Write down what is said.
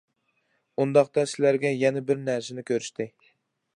ئۇنداقتا سىلەرگە يەنە بىر نەرسىنى كۆرسىتەي.